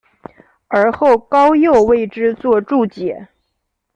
而后高诱为之作注解。